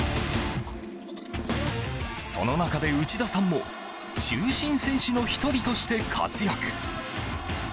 その中で内田さんも中心選手の１人として活躍。